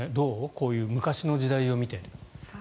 こういう昔の時代を見て。